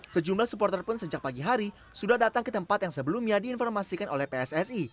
sejumlah supporter pun sejak pagi hari sudah datang ke tempat yang sebelumnya diinformasikan oleh pssi